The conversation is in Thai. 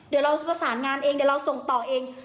เดี๋ยวเราประสานงานเองเดี๋ยวเราส่งต่อเอง